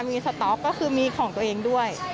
มีสต๊อกก็คือมีของตัวเองด้วย